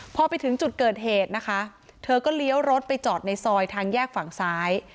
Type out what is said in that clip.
พอไปถึงจุดเกิดเหตุนะคะเธอก็เลี้ยวรถไปจอดในซอยทางแยกฝั่งซ้าย